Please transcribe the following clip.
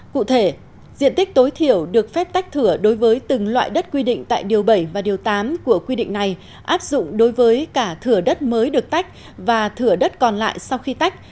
cụ thể diện tích tối thiểu được phép tách thửa đối với từng loại đất quy định tại điều bảy và điều tám của quy định này áp dụng đối với cả thửa đất mới được tách và thửa đất còn lại sau khi tách